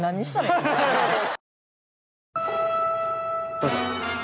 どうぞ。